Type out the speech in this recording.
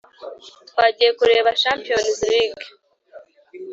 twagiye kureba champions league